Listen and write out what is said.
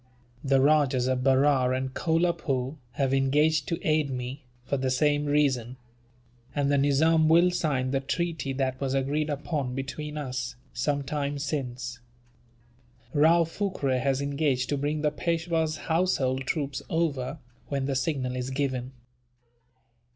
The Rajahs of Berar and Kolapoore have engaged to aid me, for the same reason; and the Nizam will sign the treaty that was agreed upon between us, some time since. Rao Phurkay has engaged to bring the Peishwa's household troops over, when the signal is given.